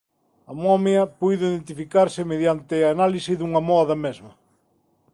A momia puido identificarse mediante a análise dunha moa da mesma.